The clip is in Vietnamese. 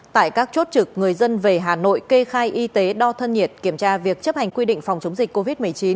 tại các chốt trực người dân về hà nội kê khai y tế đo thân nhiệt kiểm tra việc chấp hành quy định phòng chống dịch covid một mươi chín